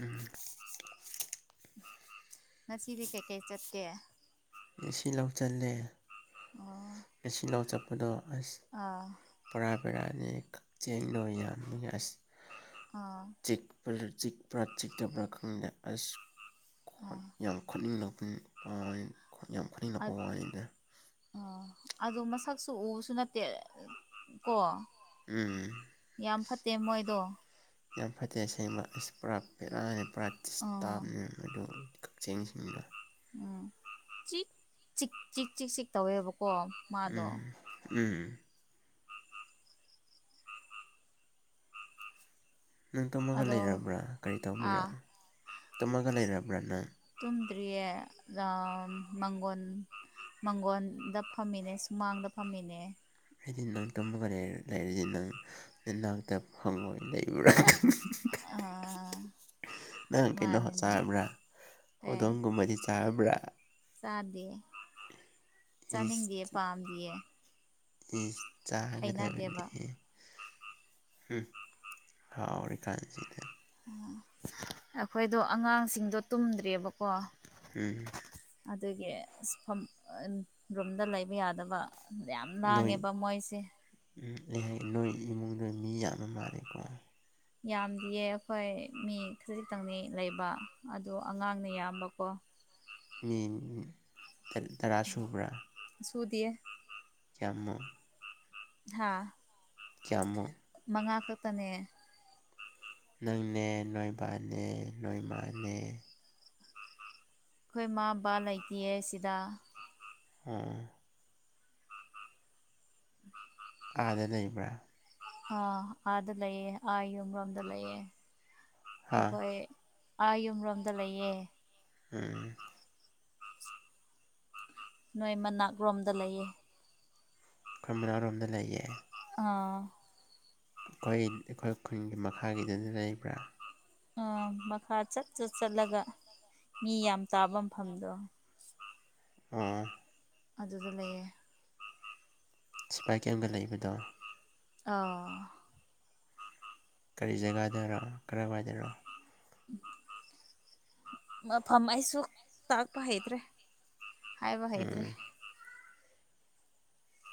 ꯎꯝ ꯉꯁꯤꯗꯤ ꯀꯩꯀꯩ ꯆꯠꯀꯦ ꯉꯁꯤ ꯂꯧ ꯆꯠꯂꯦ꯫ ꯑꯣ ꯉꯁꯤ ꯂꯩ ꯆꯠꯄꯗꯣ ꯑꯁ ꯑꯥ ꯕꯣꯔꯥ ꯕꯦꯔꯥꯅꯤ ꯀꯛꯆꯦꯡꯗꯣ ꯌꯥꯝꯃ ꯑꯁ ꯑꯥ ꯆꯤꯛ [unintelligible] ꯆꯤꯛꯄ꯭ꯔꯥ ꯆꯤꯛꯇꯕ꯭ꯔꯥ ꯈꯪꯗꯦ ꯑꯁ ꯈꯣꯠ ꯑꯥ ꯌꯥꯝ ꯈꯣꯠꯅꯤꯡꯂꯛꯄ ꯋꯥꯏ ꯌꯥꯝ ꯈꯠꯅꯤꯡꯂꯛꯄ ꯑꯠ ꯋꯥꯅꯤꯗ꯫ ꯑꯥ ꯑꯗꯨ ꯃꯁꯛꯁꯨ ꯎꯕꯁꯨ ꯅꯠꯇꯦ꯫ ꯀꯣ ꯎꯝ ꯌꯥꯝ ꯐꯠꯇꯦ ꯃꯣꯏꯗꯣ ꯌꯥꯝ ꯐꯠꯇꯦ ꯑꯁꯦꯡꯕ ꯏꯁ ꯄꯨꯔꯥ ꯚꯦꯔꯥꯅꯦ꯫ ꯄꯨꯔꯥ ꯑꯥ ꯗꯤꯁꯇꯥꯕꯅꯦ ꯃꯗꯨ ꯀꯛꯆꯦꯡꯁꯤꯡꯗꯣ꯫ ꯎꯝ ꯆꯤ ꯆꯤꯛ ꯆꯤꯛ ꯆꯤꯛ ꯆꯤꯛ ꯇꯧꯋꯦꯕꯀꯣ꯫ ꯃꯥꯗꯣ ꯎꯝ ꯎꯝ ꯅꯪ ꯇꯨꯝꯃꯒ ꯑꯗꯣ ꯂꯩꯔꯕ꯭ꯔꯥ ꯀꯔꯤ ꯇꯧꯕꯤꯔꯥ ꯑꯥ ꯇꯨꯝꯃꯒ ꯂꯩꯔꯕ꯭ꯔꯥ ꯅꯪ ꯇꯨꯝꯗ꯭ꯔꯤꯌꯦ ꯔꯝ ꯃꯪꯒꯣꯟ ꯃꯪꯒꯣꯟꯗ ꯐꯝꯃꯤꯅꯦ ꯁꯨꯃꯥꯡꯗ ꯐꯝꯃꯤꯅꯦ꯫ ꯑꯩꯗꯤ ꯅꯪ ꯇꯨꯝꯒꯔꯦ ꯂꯩꯔꯤꯗꯤ ꯅꯪ ꯅꯅꯥꯛꯇ ꯐꯪꯉꯣꯏ ꯂꯩꯕꯔ ꯈꯪ ꯑꯥ [unintelligible] ꯅꯪ ꯀꯩꯅꯣ ꯃꯥꯅꯤꯅꯦ ꯆꯥꯕ꯭ꯔꯥ ꯑꯦ ꯍꯧꯗꯣꯡꯒꯨꯝꯕꯗꯤ ꯆꯥꯕ꯭ꯔꯥ? ꯆꯥꯗꯦ ꯏꯁ ꯆꯥꯅꯤꯡꯗꯤꯑꯦ ꯄꯥꯝꯗꯤꯌꯦ꯫ ꯏꯁ ꯍꯩꯅꯗꯦꯕ ꯆꯥꯒꯗꯕꯅꯦꯍꯦ꯫ ꯍꯨꯝ ꯍꯥꯎꯔꯤꯀꯥꯟꯁꯤꯗ꯫ ꯎ ꯑꯩꯈꯣꯏꯗꯣ ꯑꯉꯥꯡꯁꯤꯡꯗꯣ ꯇꯨꯝꯗ꯭ꯔꯤꯕꯀꯣ꯫ ꯎꯝ ꯑꯗꯨꯒꯤ ꯑꯁ ꯐꯝ ꯔꯨꯝꯗ ꯂꯩꯕ ꯌꯥꯗꯕ꯫ ꯌꯥꯝ ꯂꯥꯡꯉꯦꯕ ꯃꯣꯏꯁꯦ꯫ ꯎ ꯑꯩ ꯍꯥꯏꯒꯦ ꯅꯣꯏ ꯏꯃꯨꯡꯗꯨ ꯃꯤ ꯌꯥꯝꯕ ꯃꯥꯜꯂꯦꯀꯣ꯫ ꯌꯥꯝꯗꯤꯌꯦ ꯑꯩꯈꯣꯏ ꯃꯤ ꯈꯖꯤꯛꯇꯪꯅꯤ ꯂꯩꯕ ꯑꯗꯣ ꯑꯉꯥꯡꯅ ꯌꯥꯝꯕꯀꯣ꯫ ꯃꯤ ꯇ ꯇꯔꯥ ꯁꯨꯕ꯭ꯔꯥ? ꯁꯨꯗꯤꯌꯦ꯫ ꯀ꯭ꯌꯥꯃꯨ? ꯍꯥꯥ ꯀ꯭ꯌꯥꯃꯨ? ꯃꯉꯥ ꯈꯛꯇꯅꯦ꯫ ꯅꯪꯅꯦ ꯅꯣꯏ ꯕꯥꯅꯦ ꯅꯣꯏ ꯃꯥꯅꯦ ꯈꯣꯏ ꯃꯥ ꯕꯥ ꯂꯩꯇꯤꯌꯦ ꯁꯤꯗ꯫ ꯑꯣ [inaudible] ꯑꯥꯗ ꯂꯩꯕ꯭ꯔꯥ? ꯑ ꯑꯥꯗ ꯂꯩꯌꯦ ꯑꯥ ꯌꯨꯝꯔꯣꯝꯗ ꯂꯩꯌꯦ ꯍꯥ ꯑꯈꯣꯏ ꯑꯥ ꯌꯨꯝꯔꯣꯝꯗ ꯂꯩꯌꯦ꯫ ꯎꯝ ꯅꯣꯏ ꯃꯅꯥꯛ ꯔꯣꯝꯗ ꯂꯩꯌꯦ꯫ ꯈꯣꯢ ꯃꯅꯥꯔꯣꯝꯗ ꯂꯩꯌꯦ꯫ ꯑꯥ ꯑꯩꯈꯣꯏ ꯑꯩꯈꯣꯏ ꯈꯨꯟꯒꯤ ꯃꯈꯥꯒꯤꯗꯨꯗ ꯂꯩꯕ꯭ꯔꯥ? ꯑꯥ ꯃꯈꯥ ꯆꯠ ꯆꯠ ꯆꯠꯂꯒ ꯃꯤ ꯌꯥꯝ ꯇꯥꯕ ꯃꯐꯝꯗꯣ꯫ [unintelligible] ꯑꯗꯨꯗ ꯂꯩꯌꯦ꯫ ꯁꯤꯄꯥꯏ ꯀꯦꯝꯒ ꯂꯩꯕꯗꯣ? ꯑꯥ ꯀꯔꯤ ꯖꯒꯥꯗꯔꯣ ꯀꯔꯋꯥꯏꯗꯔꯣ? ꯃꯐꯝ ꯑꯩꯁꯨ ꯇꯥꯛꯄ ꯍꯩꯇ꯭ꯔꯦ꯫ ꯍꯥꯏꯕ ꯎꯝ ꯍꯩꯇ꯭ꯔꯦ꯫ ꯑꯩꯈꯣꯏ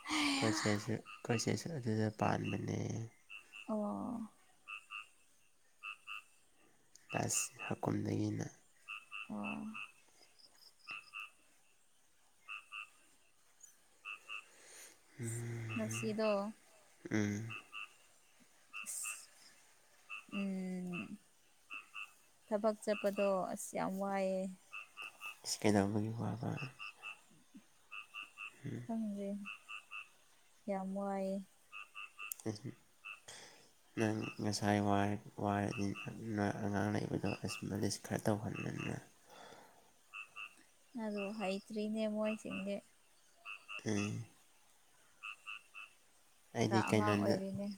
ꯍꯦ ꯈꯣꯢ ꯆꯦꯁꯨ ꯈꯣꯏꯆꯦꯁꯨ ꯑꯗꯨꯗ ꯄꯥꯟꯕꯅꯦ꯫ ꯑꯣ ꯑꯁ ꯍꯥꯀꯨꯝꯗꯒꯤꯅ ꯑꯣ ꯍꯨꯝ ꯉꯁꯤꯗꯣ ꯎꯝ ꯑꯁ ꯎꯝ ꯊꯕꯛ ꯆꯠꯄꯗꯣ ꯑꯁ ꯌꯥꯝ ꯋꯥꯏꯌꯦ꯫ ꯏꯁ ꯀꯩꯗꯧꯕꯒꯤ ꯋꯥꯕ? [unintelligible] ꯈꯪꯗ꯭ꯔꯦ꯫ ꯌꯥꯝ ꯋꯥꯏꯑꯦ꯫ [unintelligible] [inaudible] ꯅꯪ ꯉꯁꯥꯏ ꯋꯥ-ꯋꯥꯔꯗꯤ [unintelligible] ꯑꯉꯥꯡ ꯂꯩꯕꯗꯣ ꯑꯁ ꯃꯂꯤꯁ ꯈꯔ ꯇꯧꯍꯟꯂꯨꯗꯅ꯫ ꯑꯗꯨ ꯍꯩꯇ꯭ꯔꯤꯅꯦ ꯃꯣꯏꯁꯤꯡꯗꯤ꯫ [unintelligible] ꯈꯔ ꯑꯩꯗꯤ ꯑꯉꯥꯡ ꯀꯩꯅꯣꯗ ꯑꯣꯏꯔꯤꯅꯦ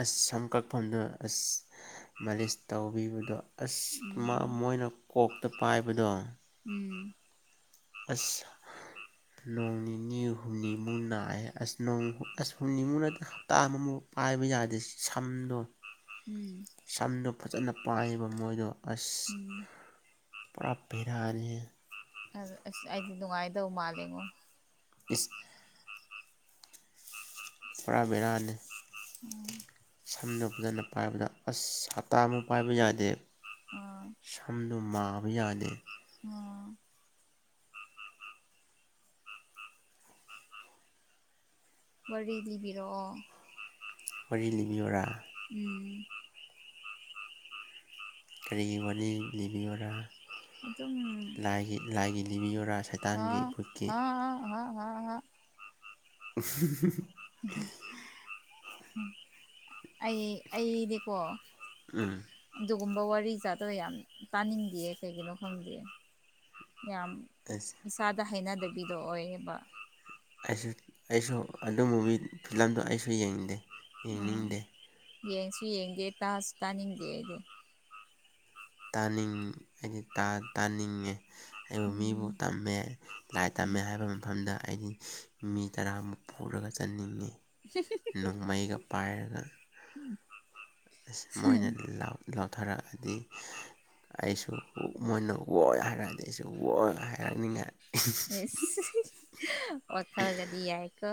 ꯑꯁ ꯁꯝ ꯀꯛꯐꯝꯗ ꯑꯁ ꯃꯥꯂꯤꯁ ꯇꯧꯕꯤꯕꯗꯣ ꯑꯁ ꯃ ꯎꯝ ꯃꯣꯏꯅ ꯀꯣꯛꯇ ꯄꯥꯏꯕꯗꯣ ꯎꯝ ꯑꯁ ꯅꯣꯡ ꯅꯤꯅꯤ ꯍꯨꯝꯅꯤ ꯃꯨꯛ ꯅꯥꯏ ꯑꯁ ꯅꯣꯡ ꯑꯁ ꯍꯨꯝꯅꯤ ꯃꯨꯛ ꯅꯠ ꯍꯞꯇꯥ ꯑꯃꯃꯨꯛ ꯄꯥꯏꯕ ꯌꯥꯗꯦ ꯁꯝꯗꯣ ꯎꯝ ꯁꯝꯗꯣ ꯐꯖꯅ ꯄꯥꯏꯑꯦꯕ ꯃꯣꯏꯗꯣ ꯑꯁ ꯎꯝ ꯄꯨꯔꯥ ꯕꯦꯔꯥꯅꯤꯍꯦ ꯑꯗꯨ ꯑꯁ ꯑꯩꯗꯤ ꯅꯨꯡꯉꯥꯏꯗꯧ ꯃꯥꯜꯂꯦꯉꯣ꯫ ꯏꯁ ꯄꯨꯔꯥ ꯕꯦꯔꯥꯅꯦ ꯎꯝ ꯁꯝꯗꯣ ꯐꯖꯅ ꯄꯥꯏꯕꯗ ꯑꯁ ꯍꯞꯇꯥꯃꯨꯛ ꯄꯥꯏꯕ ꯌꯥꯗꯦ꯫ ꯁꯝ ꯃꯥꯕ ꯌꯥꯗꯦ꯫ ꯑꯣ ꯋꯥꯔꯤ ꯂꯤꯕꯤꯔꯛꯑꯣ꯫ ꯋꯥꯔꯤ ꯂꯤꯕꯤꯌꯣꯔꯥ ꯎꯝ ꯀꯔꯤꯒꯤ ꯋꯥꯅꯤ ꯂꯤꯕꯤꯌꯣꯔꯥ ꯑꯗꯨꯝ ꯂꯥꯏꯒꯤ ꯂꯥꯏꯒꯤ ꯂꯤꯕꯤꯌꯣꯔꯥ ꯁ ꯍꯥ ꯍꯥ ꯍꯥ ꯍꯥ ꯍꯥ ꯍꯥ [unintelligible] ꯑꯩ ꯑꯩꯗꯤꯀꯣ ꯎꯝ ꯑꯗꯨꯒꯨꯝꯕ ꯋꯥꯔꯤ ꯖꯥꯠꯗꯣ ꯌꯥꯝ ꯇꯥꯅꯤꯡꯗꯤꯌꯦ ꯀꯩꯒꯤꯅꯣ ꯈꯪꯗꯦ ꯌꯥꯝ ꯑꯁ ꯏꯁꯥꯗ ꯍꯩꯅꯗꯕꯤꯗꯣ ꯑꯣꯏꯌꯦꯕ ꯑꯩꯁꯨ ꯑꯩꯁꯨ ꯑꯗꯨ ꯃꯨꯚꯤ ꯐꯤꯂꯝꯗꯣ ꯑꯩꯁꯨ ꯌꯦꯡꯗꯦ ꯌꯦꯡꯅꯤꯡꯗꯦ ꯑ ꯌꯦꯡꯁꯨ ꯌꯦꯡꯗꯦ ꯇꯥꯁꯨ ꯇꯥꯅꯤꯡꯗꯦ ꯑꯩꯗꯤ ꯇꯥꯅꯤꯡ ꯑꯩꯗꯤ ꯇꯥ ꯇꯥꯅꯤꯡꯉꯦ ꯑꯩꯕꯨ ꯃꯤꯕꯨ ꯎꯝ ꯇꯝꯃꯦ ꯂꯥꯏ ꯇꯝꯃꯦ ꯍꯥꯏꯕ ꯃꯐꯝꯗ ꯑꯩꯗꯤ ꯃꯤ ꯇꯔꯥꯃꯨꯛ ꯄꯨꯔꯒ ꯆꯟꯅꯤꯡꯉꯤ ꯅꯣꯡꯃꯩꯒ ꯄꯥꯏꯔꯒ ꯎꯝ ꯑꯁ ꯃꯣꯏꯅ ꯂꯥꯎ ꯂꯧꯊꯔꯛꯑꯗꯤ ꯑꯩꯁꯨ ꯃꯣꯏꯅ ꯋꯣꯏ ꯍꯥꯏꯔꯛꯑꯗꯤ ꯑꯩꯁꯨ ꯋꯣꯏ ꯍꯥꯏꯔꯛꯅꯤꯡꯉꯥꯏ ꯑꯦꯁ ꯋꯥꯈꯜꯒꯗꯤ ꯌꯥꯏꯀꯣ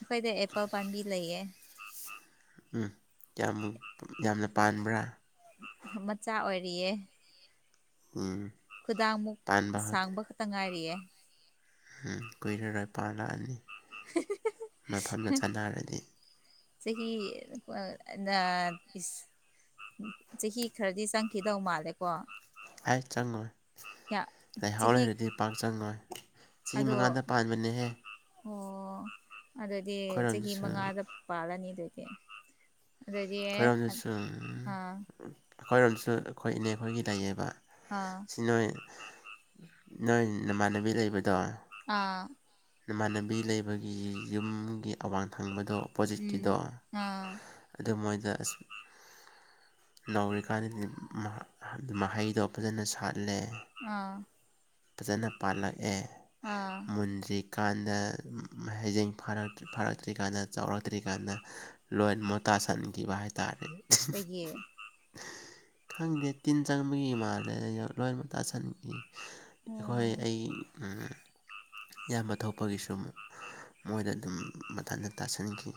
ꯑꯈꯣꯏꯗ ꯑꯦꯄꯜ ꯄꯥꯟꯕꯤ ꯂꯩꯌꯦ ꯎꯝ ꯀꯌꯥꯃꯨꯛ ꯌꯥꯝꯅ ꯄꯥꯟꯕ꯭ꯔꯥ ꯃꯆꯥ ꯑꯣꯏꯔꯤꯌꯦ ꯑꯝ ꯈꯨꯗꯥꯡꯃꯨꯛ ꯁꯥꯡꯕ ꯈꯇ ꯉꯥꯏꯔꯤꯌꯦ ꯎꯝ ꯀꯨꯏꯔꯔꯣꯏ ꯄꯥꯂꯛꯑꯅꯤ ꯃꯐꯝꯗꯣ ꯆꯥꯟꯅꯔꯗꯤ ꯆꯍꯤ ꯑ ꯅ ꯄꯤꯁ ꯆꯍꯤ ꯈꯔꯗꯤ ꯆꯪꯈꯤꯗꯧ ꯃꯥꯜꯂꯦꯀꯣ ꯑꯩ ꯆꯪꯉꯣꯏ ꯂꯥꯢꯍꯥꯎ ꯆꯍꯤ ꯂꯩꯔꯗꯤ ꯄꯥꯛ ꯆꯪꯉꯣꯏ ꯑꯗꯣ ꯃꯅꯦꯍꯦ ꯑꯣ ꯑꯗꯨꯗꯤ ꯆꯍꯤ ꯑꯩꯈꯣꯏꯔꯣꯝꯗꯁꯨ ꯃꯉꯥꯗ ꯄꯥꯜꯂꯅꯤ ꯑꯗꯨꯗꯤ ꯑꯗꯨꯗꯤ ꯑꯥ ꯈꯣꯏꯔꯣꯝꯗꯁꯨꯝ ꯑꯈꯣꯏꯔꯣꯝꯗꯁꯨ ꯑꯈꯣꯏ ꯏꯅꯦ ꯈꯣꯏꯒꯤ ꯂꯩꯌꯦꯕ ꯑꯥ ꯁꯤ ꯅꯣꯏ ꯅꯣꯏ ꯅꯃꯥꯟꯅꯕꯤ ꯂꯩꯕꯗꯣ ꯑꯥ ꯅꯃꯥꯟꯅꯕꯤ ꯂꯩꯕꯒꯤ ꯌꯨꯝꯒꯤ ꯑꯋꯥꯡ ꯊꯪꯕꯗꯣ ꯄꯣꯖꯤꯠꯀꯤꯗꯣ ꯎꯝ ꯑꯥ ꯑꯗꯨ ꯃꯣꯏꯗ ꯑꯁ ꯅꯧꯔꯤꯀꯥꯟꯗꯗꯤ ꯃ ꯃꯍꯩꯗꯣ ꯐꯖꯅ ꯁꯥꯠꯂꯦ ꯑꯥ ꯐꯖꯅ ꯄꯥꯜꯂꯛꯑꯦ ꯑꯥ ꯃꯨꯟꯗ꯭ꯔꯤꯀꯥꯟꯗ ꯍꯩꯖꯤꯡ ꯐꯥꯔꯛ ꯐꯥꯔꯛ ꯇ꯭ꯔꯤ ꯀꯥꯟꯗ ꯆꯥꯎꯔꯛꯇ꯭ꯔꯤꯀꯥꯟꯗ ꯂꯣꯏꯅ ꯃꯣꯇꯥ ꯁꯟꯈꯤꯕ ꯍꯥꯏꯇꯥꯔꯦ ꯀꯩꯒꯤ ꯈꯪꯗꯦ ꯇꯤꯟ ꯆꯪꯕꯒꯤ ꯃꯥꯜꯂꯦ ꯂꯣꯏꯅꯃꯛ ꯇꯥꯥꯁꯟꯈꯤ ꯍꯣꯢ ꯑꯣ ꯑꯩ ꯎꯝ ꯏꯌꯥꯝꯕ ꯊꯣꯛꯄꯒꯤꯁꯨ ꯃꯣꯏꯗ ꯑꯗꯨꯝ ꯃꯊꯟꯇ ꯇꯥꯁꯟꯈꯤ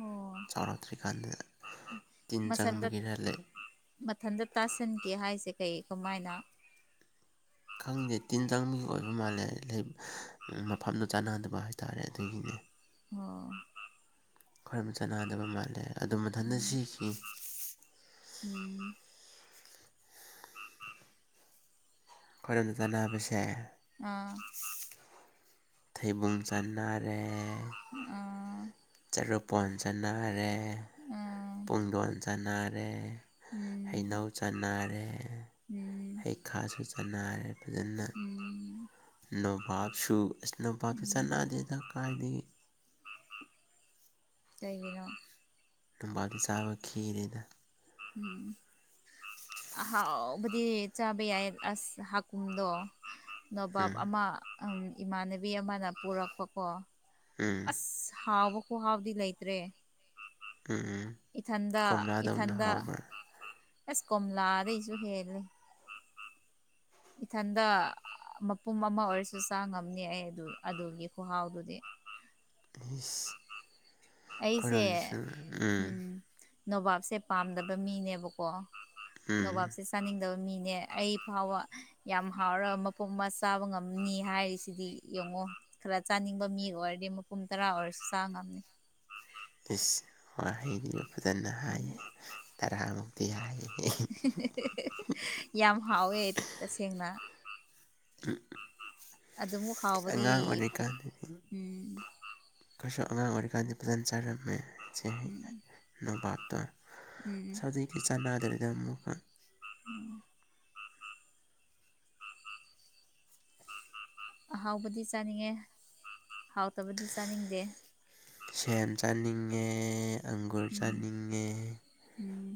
ꯑꯣ ꯆꯥꯎꯔꯛꯇ꯭ꯔꯤꯀꯥꯟꯗ [unintelligible] ꯇꯤꯟ ꯆꯪꯕꯒꯤꯔ ꯂꯩ ꯃꯊꯟꯗ ꯇꯥꯁꯟꯒꯦ ꯍꯥꯏꯁꯦ ꯀꯩ ꯀꯃꯥꯏꯅ ꯈꯪꯗꯦ ꯇꯤꯟ ꯆꯪꯕꯒꯤ ꯑꯣꯏꯕ ꯃꯥꯜꯂꯦ ꯂꯩ ꯃꯐꯝꯗꯨ ꯆꯥꯟꯅꯗꯕ ꯍꯥꯏꯇꯥꯔꯦ ꯑꯗꯨꯒꯤꯅꯦ ꯑꯣ ꯈꯣꯢꯔꯣꯝꯅ ꯆꯥꯅꯗꯕ ꯃꯥꯜꯂꯦ ꯑꯗꯨꯝ ꯃꯊꯟꯗ ꯁꯤꯈꯤ ꯎꯝ ꯈꯣꯏꯔꯣꯝꯗ ꯆꯥꯟꯅꯕꯁꯦ ꯑꯥ ꯊꯩꯕꯨꯡ ꯆꯟꯅꯥꯔꯦ ꯑ ꯆꯔꯨꯐꯣꯟ ꯆꯅꯥꯔꯦ ꯑꯥ ꯄꯨꯡꯗꯣꯟ ꯆꯅꯥꯔꯦ ꯎꯝ ꯍꯩꯅꯧ ꯆꯟꯅꯥꯔꯦ ꯎꯝ ꯍꯩ ꯈꯥꯁꯨ ꯆꯟꯅꯥꯔꯦ ꯐꯖꯟꯅ ꯎꯝ ꯅꯣꯕꯥꯞꯁꯨ ꯑꯁ ꯅꯣꯕꯥꯞꯁꯨ ꯎꯝ ꯆꯟꯅꯥꯗꯦꯗ ꯀꯥꯏꯗꯒꯤ ꯀꯩꯒꯤꯅꯣ ꯅꯣꯕꯥꯞꯇꯤ ꯆꯥꯕ ꯈꯤꯔꯦꯗ ꯎꯝ ꯑꯍꯥꯎꯕꯗꯤ ꯆꯥꯕ ꯌꯥꯏꯌꯦ ꯑꯁ ꯍꯥꯀꯨꯝꯗꯣ ꯅꯣꯕꯥꯞ ꯎꯝ ꯑꯃ ꯎꯝ ꯏꯃꯥꯟꯅꯕꯤ ꯑꯃꯅ ꯄꯨꯔꯛꯄꯀꯣ ꯎꯝ ꯁ ꯍꯥꯎꯕ ꯈꯨꯍꯥꯎꯗꯤ ꯂꯩꯇ꯭ꯔꯦ ꯎꯝ ꯎꯝ ꯏꯊꯟꯗ ꯀꯣꯝꯂꯥꯗꯧꯅ ꯏꯊꯟꯗ ꯍꯥꯎꯕ꯭ꯔꯥ ꯑꯁ ꯀꯣꯝꯂꯥꯗꯩꯁꯨ ꯍꯦꯜꯂꯦ ꯏꯊꯟꯗ ꯃꯄꯨꯝ ꯑꯃ ꯑꯣꯏꯔꯁꯨ ꯆꯥ ꯉꯝꯅꯤ ꯑꯩ ꯑꯗꯨ ꯑꯗꯨꯒꯤ ꯈꯨꯍꯥꯎꯗꯨꯗꯤ ꯏꯁ ꯑꯩꯁꯦ ꯎꯝ ꯅꯣꯕꯥꯞꯁꯦ ꯄꯥꯝꯗꯕ ꯃꯤꯅꯦꯕꯀꯣ ꯎꯝ ꯅꯣꯕꯥꯞꯁꯦ ꯆꯥꯅꯤꯡꯗꯕ ꯃꯤꯅꯦ ꯑꯩ ꯐꯥꯎꯕ ꯌꯥꯝ ꯍꯥꯎꯔ ꯃꯄꯨꯝꯃ ꯆꯥꯕ ꯉꯝꯅꯤ ꯍꯥꯏꯔꯤꯁꯤꯗꯤ ꯌꯦꯡꯉꯣ ꯈꯔ ꯆꯥꯅꯤꯡꯕ ꯃꯤ ꯑꯣꯏꯔꯗꯤ ꯃꯄꯨꯝ ꯇꯔꯥ ꯑꯣꯏꯔꯁꯨ ꯆꯥ ꯉꯝꯅꯤ ꯏꯁ ꯋꯥꯍꯩꯗꯤꯕ ꯐꯖꯅ ꯎꯝ ꯍꯥꯏꯌꯦ ꯇꯔꯥꯃꯨꯛꯇꯤ ꯍꯥꯏꯌꯦ [unintelligible] ꯌꯥꯝ ꯍꯥꯎꯋꯦ ꯇꯁꯦꯡꯅ ꯑꯗꯨꯃꯨꯛ ꯑꯉꯥꯡ ꯍꯥꯎꯕꯗꯤ ꯑꯣꯏꯔꯤꯀꯥꯟꯗꯗꯤ ꯎꯝ ꯈꯣꯢꯁꯨ ꯑꯉꯥꯡ ꯑꯣꯏꯔꯤꯀꯥꯟꯗꯤ ꯐꯖꯅ ꯆꯥꯔꯝꯃꯦ ꯁꯦ ꯍꯩ ꯅꯣꯕꯥꯞꯇꯣ ꯑꯁ ꯎꯝ ꯍꯧꯖꯤꯛꯇꯤ ꯆꯥꯟꯅꯥꯗ꯭ꯔꯦꯗ ꯑꯃꯨꯛꯀ [inaudible] ꯑꯍꯥꯎꯕꯗꯤ ꯆꯥꯅꯤꯡꯉꯦ ꯍꯥꯎꯇꯕꯗꯤ ꯆꯥꯅꯤꯡꯗꯦ ꯁꯦꯝ ꯆꯥꯅꯤꯡꯉꯦ ꯑꯪꯒꯨꯔ ꯎꯝ ꯆꯥꯅꯤꯡꯉꯦ ꯎꯝ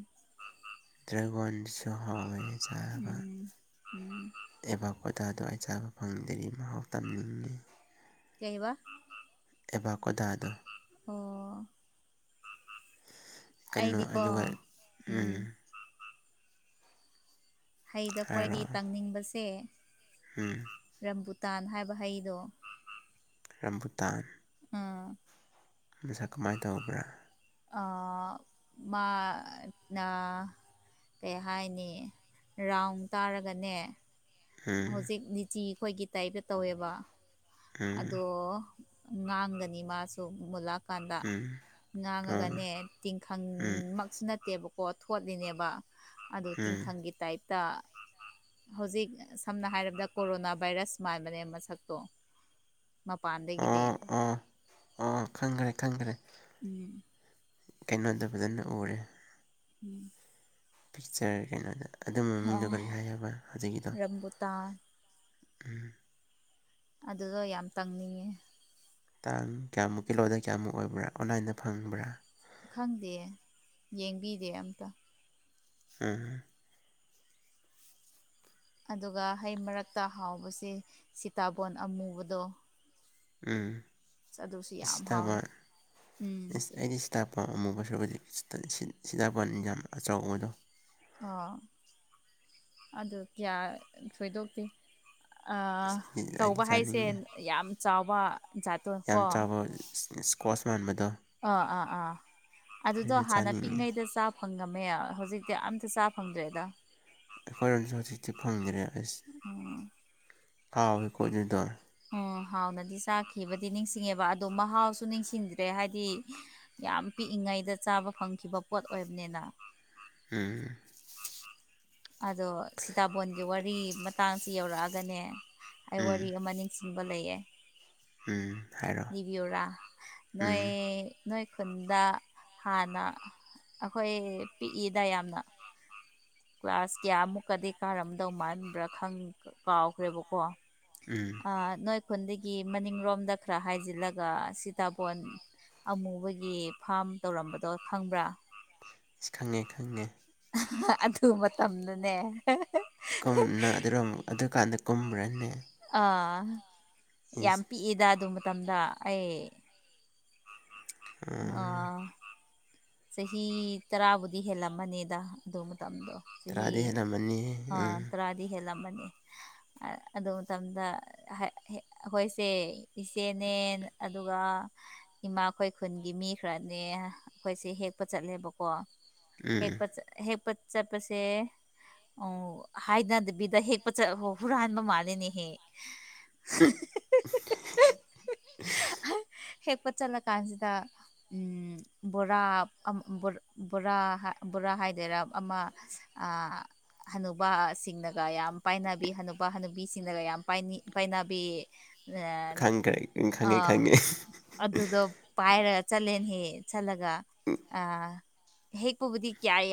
ꯗ꯭ꯔꯦꯒꯣꯟꯁꯨ ꯍꯥꯎꯋꯦ ꯆꯥꯕ ꯎꯝ ꯎꯝ ꯑꯦꯕꯥ ꯀꯣꯗꯥꯗꯣ ꯑꯩ ꯆꯥꯕ ꯐꯪꯗꯔꯤ ꯃꯍꯥꯎ ꯇꯝꯅꯤꯡꯉꯦ ꯀꯩꯑꯥꯕ ꯑꯦꯕꯥ ꯀꯣꯗꯥꯗꯣ ꯑꯣ ꯀꯩꯅꯣ ꯑꯩꯗꯤꯀꯣ ꯑꯗꯨꯒ ꯎꯝ ꯍꯩꯗ ꯈ꯭ꯋꯥꯏꯗꯒꯤ ꯍꯥꯏꯔꯣ ꯇꯪꯅꯤꯡꯕꯁꯦ ꯎꯝ ꯔꯝꯕꯨꯇꯥꯟ ꯍꯥꯏꯕ ꯍꯩꯗꯣ ꯔꯝꯕꯨꯇꯥꯟ ꯑꯥ ꯃꯁꯛ ꯀꯃꯥꯏ ꯇꯧꯕ꯭ꯔꯥ ꯑꯥ‌ ꯃꯥ ꯅꯥ ꯀꯩ ꯍꯥꯏꯅꯤ ꯔꯥꯎꯟ ꯇꯥꯔꯒꯅꯦ ꯎꯝ ꯍꯧꯖꯤꯛ ꯂꯤꯆꯤ ꯈꯣꯏꯒꯤ ꯇꯥꯏꯞꯇ ꯇꯧꯋꯦꯕ ꯎꯝ ꯑꯗꯣ ꯉꯥꯡꯒꯅꯤ ꯃꯥꯁꯨ ꯃꯨꯂꯛ ꯀꯥꯟꯗ ꯎꯝ ꯑꯥ ꯉꯥꯡꯉꯒꯅꯦ ꯎꯝ ꯇꯤꯡꯈꯪꯃꯛꯁꯨ ꯅꯠꯇꯦꯕ ꯀꯣ ꯊꯣꯠꯂꯤꯅꯦꯕ ꯑꯗꯣ ꯎꯝ ꯇꯤꯡꯈꯪꯒꯤ ꯇꯥꯏꯞꯇ ꯍꯧꯖꯤꯛ ꯁꯝꯅ ꯍꯥꯏꯔꯕꯗ ꯀꯣꯔꯣꯅꯥ ꯚꯥꯏꯔꯁ ꯃꯥꯟꯕꯅꯦ ꯃꯁꯛꯇꯣ ꯃꯄꯥꯟꯗꯒꯤꯗꯤ ꯑꯣ ꯑꯣ ꯑꯣ ꯈꯪꯈ꯭ꯔꯦ ꯈꯪꯈ꯭ꯔꯦ ꯎꯝ ꯀꯩꯅꯣꯗ ꯐꯖꯅ ꯎꯔꯦ ꯎꯝ ꯄꯤꯛꯆꯔ ꯀꯩꯅꯣꯗ ꯑꯗꯨ ꯃꯃꯤꯡꯗꯣ ꯀꯔꯤ ꯍꯥꯏ ꯍꯥꯏꯕ ꯍꯧꯖꯤꯛꯀꯤꯗꯣ ꯔꯝꯕꯨꯇꯥꯟ ꯎꯝ ꯑꯗꯨꯗꯣ ꯌꯥꯝ ꯇꯪꯅꯤꯡꯉꯦ ꯇꯥꯡ ꯀꯌꯥꯃꯨꯛ ꯀꯤꯂꯣꯗ ꯀꯌꯥꯃꯨꯛ ꯑꯣꯏꯕ꯭ꯔꯥ ꯑꯣꯟꯂꯥꯏꯟꯗ ꯐꯪꯕ꯭ꯔꯥ ꯈꯪꯗꯤꯌꯦ ꯌꯦꯡꯕꯤꯗꯦ ꯑꯝꯇ ꯎꯝ ꯑꯗꯨꯒ ꯍꯩ ꯃꯔꯛꯇ ꯍꯥꯎꯕꯁꯦ ꯁꯤꯇꯥꯕꯣꯟ ꯑꯃꯨꯕꯗꯣ ꯎꯝ ꯑꯗꯨꯁꯨ ꯌꯥꯝ ꯍꯥꯎꯋꯦ ꯁꯤꯇꯥꯕꯣꯟ ꯎꯝ ꯏꯁ ꯑꯩꯗꯤ ꯁꯤ ꯇꯥꯕꯣꯟ ꯑꯃꯨꯕ ꯁꯔꯨꯕꯨꯗꯤ ꯁꯤ ꯇꯜ ꯁꯤ ꯁꯤꯇꯥꯕꯣꯟ ꯌꯥꯝ ꯑꯆꯧꯕꯗꯣ ꯑꯣ ꯑꯗꯣ ꯀꯌꯥ ꯊꯣꯏꯗꯣꯛꯇꯦ ꯑꯥ ꯑꯩꯗꯤ ꯆꯧꯕ ꯍꯥꯏꯁꯦ ꯆꯥꯅꯤꯡꯉꯦ ꯌꯥꯝ ꯆꯥꯎꯕ ꯖꯥꯠ ꯌꯥꯝ ꯆꯥꯎꯕ ꯏꯁ ꯏꯁꯀ꯭ꯋꯥꯁ ꯃꯥꯟꯕꯗꯣ ꯑꯥ ꯑꯥ ꯑꯥ ꯑꯗꯨꯗꯣ ꯍꯥꯟꯅ ꯄꯤꯛꯉꯩꯗ ꯆꯥ ꯐꯪꯉꯝꯃꯦ ꯍꯧꯖꯤꯛꯇꯤ ꯑꯝꯇ ꯆꯥ ꯐꯪꯗ꯭ꯔꯦꯗ ꯑꯩꯈꯣꯏꯔꯣꯝꯗꯁꯨ ꯍꯧꯖꯤꯛꯇꯤ ꯐꯪꯗ꯭ꯔꯦ ꯎꯝ ꯑꯁ ꯍꯥꯎꯋꯦꯀꯣ ꯑꯗꯨꯗꯣ ꯎꯝ ꯍꯥꯎꯅꯗꯤ ꯆꯥꯈꯤꯕꯗꯤ ꯅꯤꯡꯁꯤꯡꯉꯦꯕ ꯑꯗꯣ ꯃꯍꯥꯎꯁꯨ ꯅꯤꯡꯁꯤꯡꯗ꯭ꯔꯦ ꯍꯥꯏꯗꯤ ꯌꯥꯝ ꯄꯤꯛꯏꯉꯩꯗ ꯆꯥꯕ ꯐꯪꯈꯤꯕ ꯄꯣꯠ ꯑꯣꯏꯕꯅꯤꯅ ꯎꯝ ꯑꯗꯣ ꯁꯤꯇꯥꯕꯣꯟꯒꯤ ꯋꯥꯔꯤ ꯃꯇꯥꯡꯁꯤ ꯌꯧꯔꯛꯑꯥꯒꯅꯦ ꯑꯩ ꯋꯥꯔꯤ ꯎꯝ ꯑꯃ ꯅꯤꯡ ꯁꯤꯡꯕ ꯂꯩꯌꯦ ꯎꯝ ꯍꯥꯏꯔꯣ ꯂꯤꯕꯤꯌꯨꯔꯥ ꯎꯝ ꯅꯣꯏ ꯅꯣꯏ ꯈꯨꯟꯗ ꯍꯥꯟꯅ ꯑꯈꯣꯏ ꯄꯤꯛꯏꯗ ꯌꯥꯝꯅ ꯀ꯭ꯂꯥꯁ ꯀꯌꯥꯃꯨꯛꯀꯗꯤ ꯀꯥꯔꯝꯗꯧ ꯃꯥꯟꯕ꯭ꯔ ꯈꯪ ꯀꯥꯎꯈ꯭ꯔꯦꯕꯀꯣ ꯎꯝ ꯑ ꯅꯣꯏ ꯈꯨꯟꯗꯒꯤ ꯃꯅꯤꯡꯔꯣꯝꯗ ꯈꯔ ꯍꯥꯏꯖꯤꯜꯂꯒ ꯁꯤꯇꯥꯕꯣꯟ ꯑꯃꯨꯕꯒꯤ ꯐꯥꯝ ꯇꯧꯔꯝꯕꯗꯣ ꯈꯪꯕ꯭ꯔ ꯏꯁ ꯈꯪꯉꯦ ꯈꯪꯉꯦ ꯑꯗꯨ ꯃꯇꯝꯗꯅꯦ [unintelligible] ꯀꯨꯝ ꯅꯪ ꯑꯗꯨꯨꯔꯣꯝ ꯑꯗꯨꯀꯥꯟꯗ ꯀꯨꯝꯕ꯭ꯔꯅꯦ ꯑꯥ ꯌꯥꯝ ꯏꯁ ꯄꯤꯛꯏꯗ ꯑꯗꯨ ꯃꯇꯝꯗ ꯑꯩ ꯎꯝ ꯑ ꯆꯍꯤ ꯇꯔꯥꯕꯨꯗꯤ ꯍꯦꯜꯂꯝꯃꯅꯤꯗ ꯑꯗꯨ ꯃꯇꯝꯗꯣ ꯆꯍꯤ ꯇꯔꯥꯗꯤ ꯍꯦꯜꯂꯝꯃꯅꯤ ꯑꯥ ꯎꯝ ꯇꯔꯥꯗꯤ ꯍꯦꯜꯂꯝꯃꯅꯤ ꯑꯗꯨ ꯃꯇꯝꯗ ꯍꯥ ꯍꯦ ꯑꯈꯣꯏꯁꯦ ꯏꯆꯦꯅꯦ ꯑꯗꯨꯒ ꯏꯃꯥꯈꯣꯏ ꯈꯨꯟꯒꯤ ꯃꯤ ꯈꯔꯅꯦ ꯑꯩꯈꯣꯏꯁꯦ ꯍꯦꯛꯄ ꯆꯠꯂꯦꯕꯀꯣ ꯎꯝ ꯍꯦꯛꯄ [unintelligible] ꯍꯦꯛꯄ ꯆꯠꯄꯁꯦ ꯑꯣ ꯍꯥꯏꯅꯗꯕꯤꯗ ꯍꯦꯛꯄ ꯆꯠ ꯍꯨ ꯍꯨꯔꯥꯟꯕ ꯃꯥꯂꯦꯅꯦꯍꯦ [unintelligible] [unintelligible] ꯍꯦꯛꯄ ꯆꯠꯂ ꯀꯥꯟꯁꯤꯗ ꯎꯝ ꯕꯣꯔꯥ ꯑꯝ ꯕꯣ ꯕꯣꯔꯥ ꯕꯣꯔꯥ ꯍꯥꯏꯗꯣꯏꯔ ꯑꯃ ꯑ ꯍꯟꯅꯨꯕꯥ ꯁꯤꯡꯅꯒ ꯌꯥꯝ ꯄꯥꯏꯅꯕꯤ ꯍꯅꯨꯕ ꯍꯅꯨꯕꯤꯁꯤꯡꯅꯒ ꯌꯥꯝ ꯄꯥꯏꯅꯤ ꯄꯥꯏꯅꯕꯤ ꯈꯪꯈ꯭ꯔꯦ ꯈꯪꯉꯦ ꯈꯪꯉꯦ [unintelligible] ꯑ ꯑꯗꯨꯗꯣ ꯄꯥꯏꯔ ꯆꯠꯂꯦꯅꯤ ꯆꯠꯂꯒ ꯑ ꯍꯦꯛꯄꯕꯨꯗꯤ ꯀꯌꯥ ꯌꯥꯝ